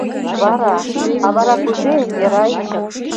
Вара, а вара кузе, Эрай?